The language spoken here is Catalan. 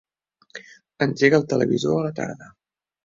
Engega el televisor a la tarda.